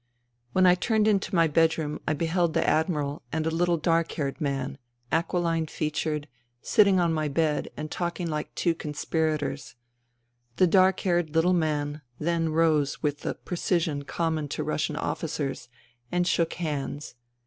When I turned into my bedroom I beheld the Admiral and a little dark haired man, aquiline fea tured, sitting on my bed and talking like two con spirators. The dark haired little man then rose with the precision common to Russian officers, and shook hands.